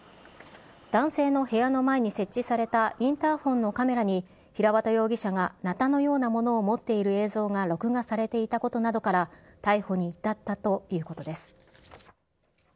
男性の部屋の前に設置されたインターフォンのカメラに平綿容疑者がなたのようなものを持っている映像が録画されていたことなどから、逮捕に至ったということです。